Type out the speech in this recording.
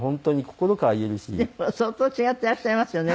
でも相当違ってらっしゃいますよね